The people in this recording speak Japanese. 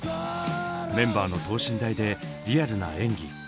メンバーの等身大でリアルな演技。